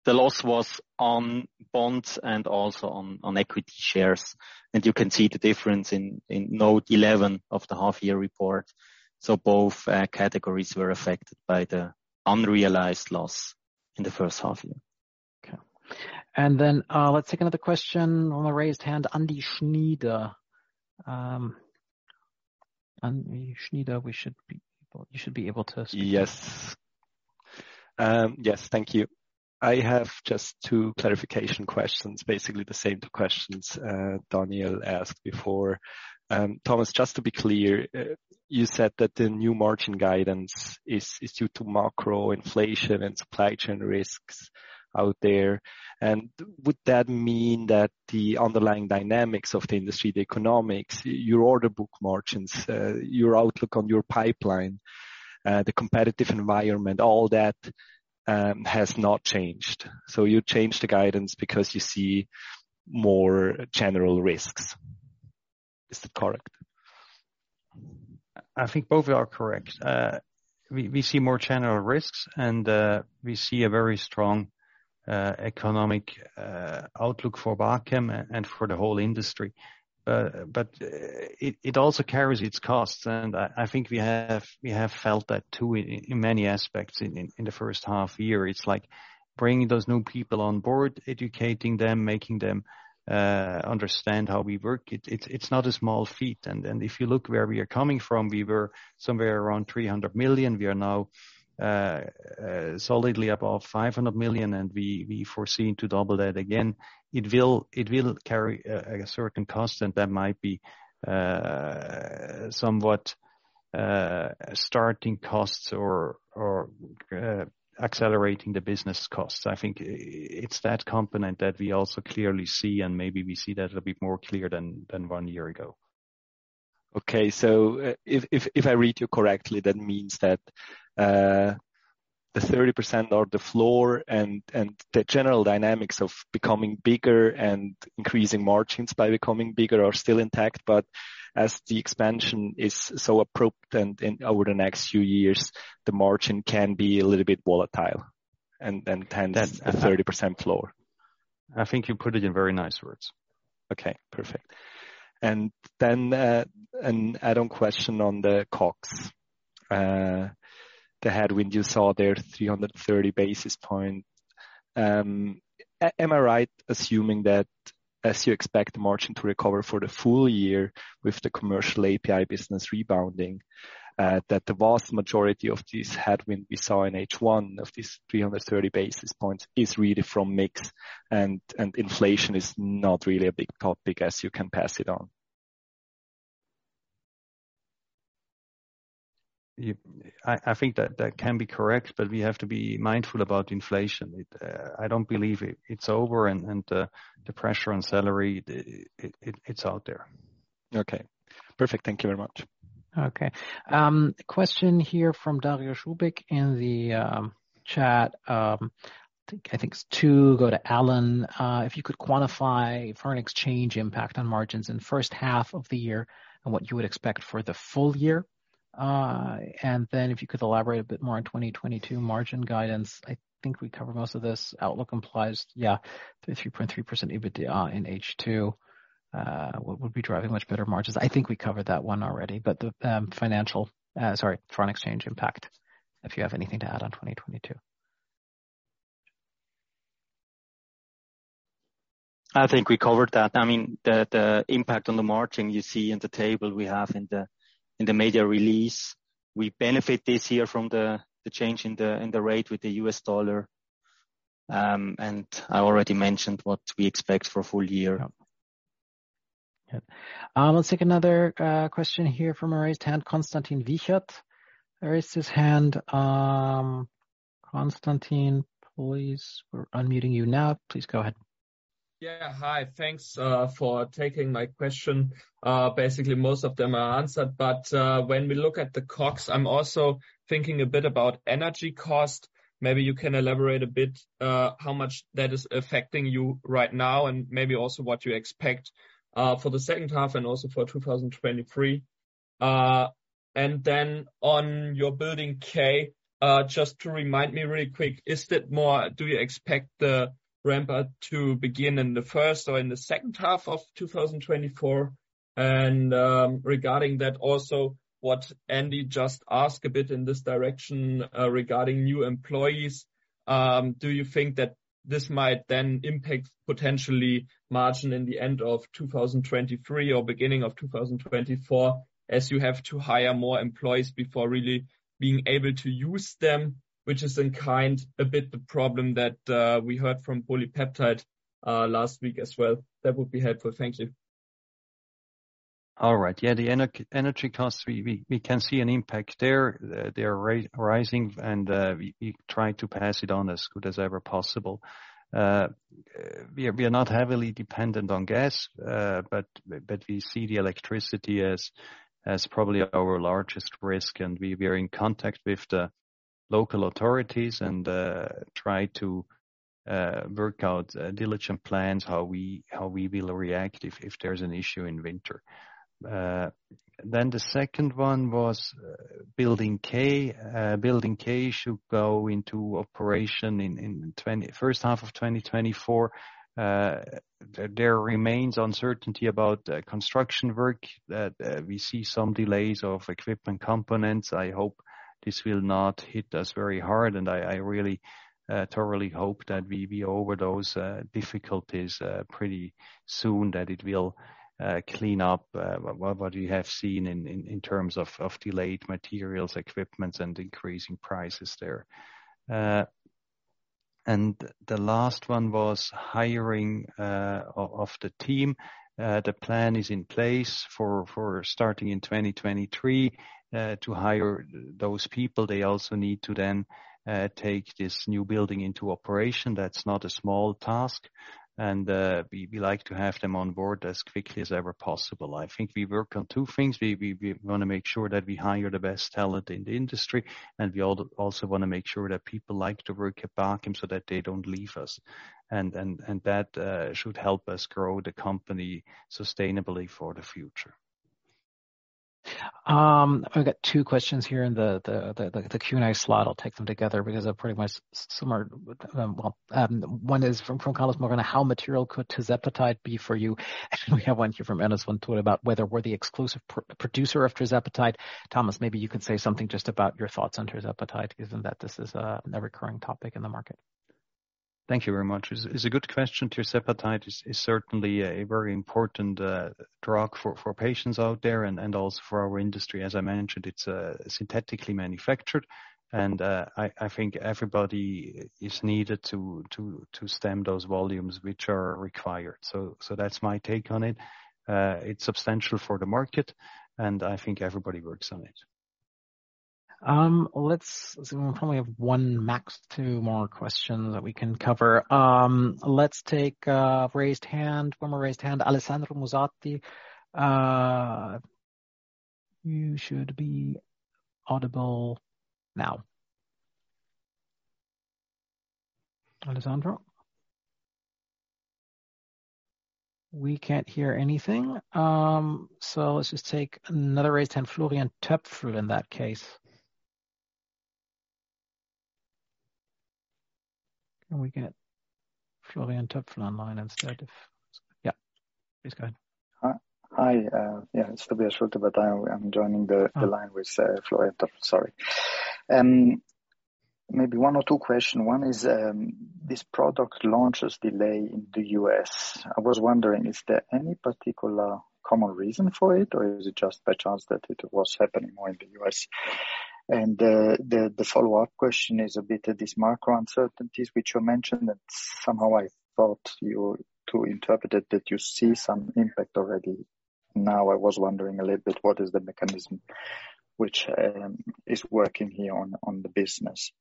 The loss was on bonds and also on equity shares. You can see the difference in note 11 of the half year report. Both categories were affected by the unrealized loss in the first half year. Okay. Let's take another question from a raised hand. Andy Schneider. You should be able to speak. Yes. Thank you. I have just two clarification questions. Basically, the same two questions Daniel asked before. Thomas, just to be clear, you said that the new margin guidance is due to macro inflation and supply chain risks out there. Would that mean that the underlying dynamics of the industry, the economics, your order book margins, your outlook on your pipeline, the competitive environment, all that, has not changed? You changed the guidance because you see more general risks. Is that correct? I think both are correct. We see more general risks and we see a very strong economic outlook for Bachem and for the whole industry. It also carries its costs, and I think we have felt that too in many aspects in the first half year. It's like bringing those new people on board, educating them, making them understand how we work. It's not a small feat. If you look where we are coming from, we were somewhere around 300 million. We are now solidly above 500 million, and we foresee to double that again. It will carry a certain cost and that might be somewhat starting costs or accelerating the business costs. I think it's that component that we also clearly see, and maybe we see that a bit more clear than one year ago. Okay. If I read you correctly, that means that the 30% floor and the general dynamics of becoming bigger and increasing margins by becoming bigger are still intact, but as the expansion is so appropriate and over the next few years, the margin can be a little bit volatile and tends to the 30% floor. I think you put it in very nice words. Okay, perfect. Then, an add-on question on the COGS. The headwind you saw there, 330 basis points. Am I right assuming that as you expect the margin to recover for the full year with the commercial API business rebounding, that the vast majority of this headwind we saw in H1 of this 330 basis points is really from mix and inflation is not really a big topic as you can pass it on? I think that can be correct, but we have to be mindful about inflation. I don't believe it's over and the pressure on salary, it's out there. Okay, perfect. Thank you very much. Okay. Question here from Dario Schubiger in the chat. I think it's two. Go to Alain. If you could quantify foreign exchange impact on margins in first half of the year and what you would expect for the full year. And then if you could elaborate a bit more on 2022 margin guidance. I think we covered most of this. Outlook implies, yeah, 33.3% EBITDA in H2. What would be driving much better margins? I think we covered that one already, but sorry, foreign exchange impact, if you have anything to add on 2022. I think we covered that. I mean, the impact on the margin you see in the table we have in the media release. We benefit this year from the change in the rate with the US dollar. I already mentioned what we expect for full year. Yeah. Let's take another question here from a raised hand, Konstantin Wiechert. There is his hand. Konstantin, please, we're unmuting you now. Please go ahead. Yeah. Hi. Thanks for taking my question. Basically most of them are answered, but when we look at the COGS, I'm also thinking a bit about energy costs. Maybe you can elaborate a bit how much that is affecting you right now and maybe also what you expect for the second half and also for 2023. And then on your Building K, just to remind me really quick, is that or do you expect the ramp up to begin in the first or in the second half of 2024? Regarding that also, what Andy just asked a bit in this direction, regarding new employees, do you think that this might then impact potentially margin in the end of 2023 or beginning of 2024 as you have to hire more employees before really being able to use them, which is kind of a bit the problem that we heard from PolyPeptide last week as well. That would be helpful. Thank you. All right. Yeah, the energy costs, we can see an impact there. They're rising and, we try to pass it on as good as ever possible. We are not heavily dependent on gas, but we see the electricity as probably our largest risk and we are in contact with the local authorities and try to work out diligent plans how we will react if there's an issue in winter. The second one was Building K. Building K should go into operation in the first half of 2024. There remains uncertainty about construction work that we see some delays of equipment components. I hope this will not hit us very hard, and I really thoroughly hope that we be over those difficulties pretty soon, that it will clean up what we have seen in terms of delayed materials, equipment and increasing prices there. The last one was hiring of the team. The plan is in place for starting in 2023 to hire those people. They also need to then take this new building into operation. That's not a small task. We like to have them on board as quickly as ever possible. I think we work on two things. We wanna make sure that we hire the best talent in the industry, and we also wanna make sure that people like to work at Bachem so that they don't leave us. That should help us grow the company sustainably for the future. I've got two questions here in the Q&A slot. I'll take them together because they're pretty much similar. One is from Carlos Morgano, how material could tirzepatide be for you? We have one here from Anas Wantul] about whether we're the exclusive producer of tirzepatide. Thomas, maybe you could say something just about your thoughts on tirzepatide, given that this is a recurring topic in the market. Thank you very much. It's a good question. Tirzepatide is certainly a very important drug for patients out there and also for our industry. As I mentioned, it's synthetically manufactured and I think everybody is needed to meet those volumes which are required. That's my take on it. It's substantial for the market, and I think everybody works on it. We probably have one, max two more questions that we can cover. Let's take a raised hand. One more raised hand. Alessandro Musati, you should be audible now. Alessandro? We can't hear anything. Let's just take another raised hand, Florian Töpfl, in that case. Can we get Florian Töpfl online instead? Yeah. Please go ahead. Hi. Yeah. It's Tobias Schulte, but I'm joining the- Oh. The line with Florian Töpfl. Sorry. Maybe one or two question. One is this product launches delay in the U.S. I was wondering, is there any particular common reason for it, or is it just by chance that it was happening more in the U.S.? The follow-up question is a bit of these macro uncertainties which you mentioned that somehow I thought you to interpret it that you see some impact already. Now, I was wondering a little bit, what is the mechanism which is working here on the business?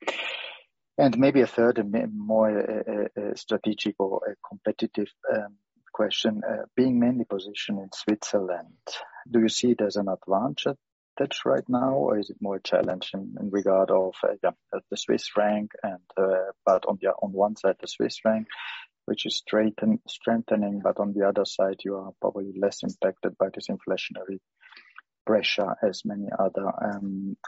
Maybe a third and more strategic or a competitive question, being mainly positioned in Switzerland, do you see it as an advantage right now, or is it more challenging in regard of the Swiss franc and, but on one side, the Swiss franc, which is strengthening, but on the other side, you are probably less impacted by this inflationary pressure as many other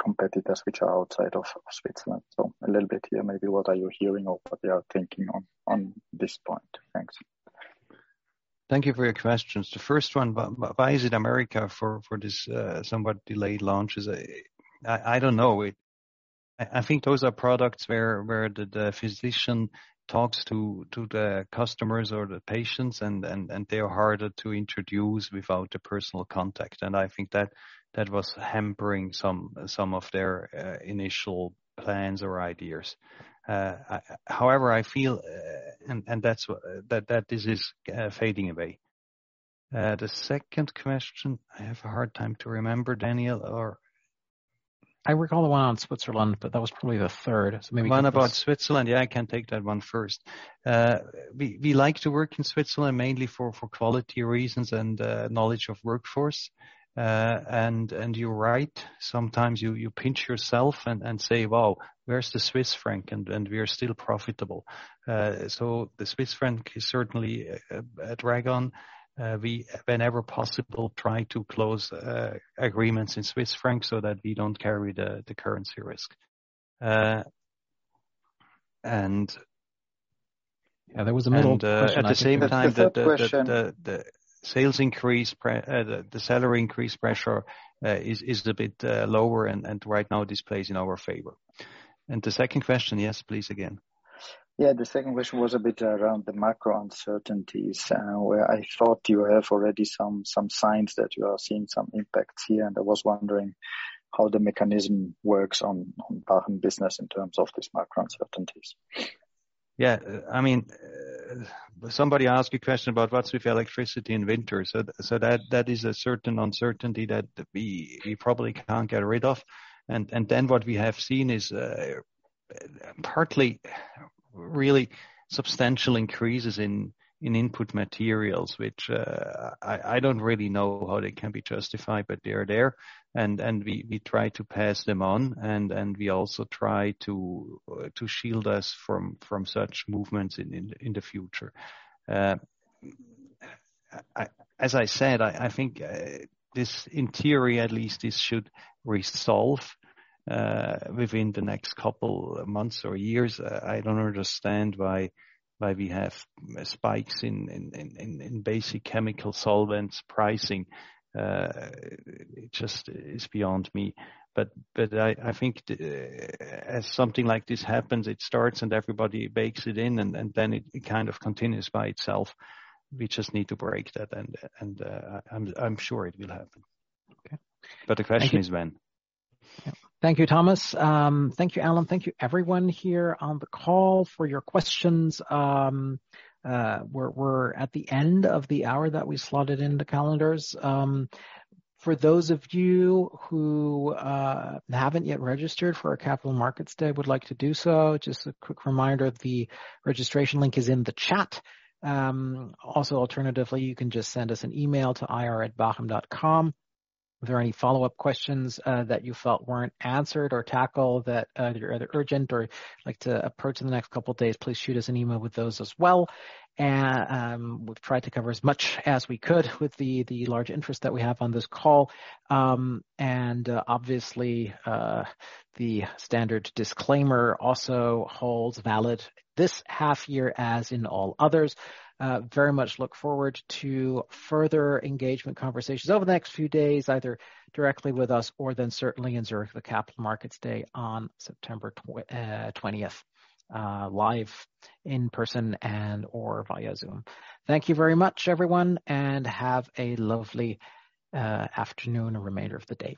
competitors which are outside of Switzerland. A little bit here, maybe what are you hearing or what you are thinking on this point? Thanks. Thank you for your questions. The first one, why is it America first for this somewhat delayed launch is, I don't know. I think those are products where the physician talks to the customers or the patients and they are harder to introduce without a personal contact. I think that was hampering some of their initial plans or ideas. However, I feel, and that's what this is fading away. The second question, I have a hard time to remember, Daniel or- I recall the one on Switzerland, but that was probably the third. Maybe you can- The one about Switzerland. Yeah, I can take that one first. We like to work in Switzerland mainly for quality reasons and knowledge of workforce. You're right. Sometimes you pinch yourself and say, "Wow, where's the Swiss franc?" We are still profitable. The Swiss franc is certainly a drag on. We whenever possible try to close agreements in Swiss franc so that we don't carry the currency risk. The salary increase pressure is a bit lower and right now this plays in our favor. The second question, yes, please, again. Yeah. The second question was a bit around the macro uncertainties, where I thought you have already some signs that you are seeing some impacts here, and I was wondering how the mechanism works on Bachem business in terms of these macro uncertainties. Yeah. I mean, somebody asked a question about what's with electricity in winter. So that is a certain uncertainty that we probably can't get rid of. Then what we have seen is partly really substantial increases in input materials, which I don't really know how they can be justified, but they are there and we try to pass them on and we also try to shield us from such movements in the future. As I said, I think this in theory at least should resolve within the next couple months or years. I don't understand why we have spikes in basic chemical solvents pricing. It just is beyond me. I think as something like this happens, it starts and everybody bakes it in and then it kind of continues by itself. We just need to break that and I'm sure it will happen. Okay. The question is when. Thank you, Thomas. Thank you, Alain. Thank you everyone here on the call for your questions. We're at the end of the hour that we slotted in the calendars. For those of you who haven't yet registered for our Capital Markets Day, would like to do so, just a quick reminder, the registration link is in the chat. Also alternatively, you can just send us an email to ir@bachem.com. If there are any follow-up questions that you felt weren't answered or tackled that are either urgent or like to approach in the next couple of days, please shoot us an email with those as well. We've tried to cover as much as we could with the large interest that we have on this call. Obviously, the standard disclaimer also holds valid this half year as in all others. Very much look forward to further engagement conversations over the next few days, either directly with us or then certainly in Zurich for Capital Markets Day on September twentieth, live in person and/or via Zoom. Thank you very much everyone, and have a lovely afternoon and remainder of the day.